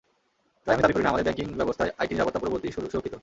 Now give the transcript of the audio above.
তাই আমি দাবি করি না, আমাদের ব্যাংকিং ব্যবস্থায় আইটি নিরাপত্তা পুরোপুরি সুরক্ষিত।